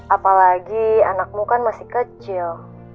apalagi anakmu kan masih kecil